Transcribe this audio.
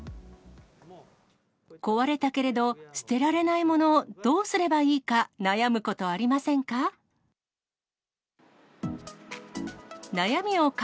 壊れたけれど、捨てられないもの、どうすればいいか悩むことありませんか。